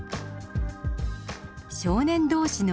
少年同士の愛